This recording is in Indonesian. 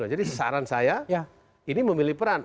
jadi saran saya ini memilih peran